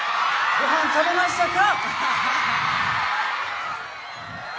ごはん食べましたか？